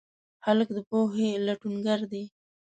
هلک د پوهې لټونګر دی.